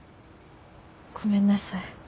ごめんなさい。